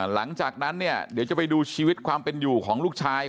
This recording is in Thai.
หลังจากนั้นเนี่ยเดี๋ยวจะไปดูชีวิตความเป็นอยู่ของลูกชาย